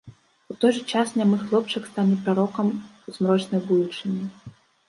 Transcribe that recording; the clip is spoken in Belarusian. У той жа час нямы хлопчык стае прарокам змрочнай будучыні.